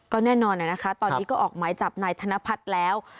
ก็แน่นอนนะคะตอนนี้ก็ออกหมายจับนายธนพัฒน์แล้ว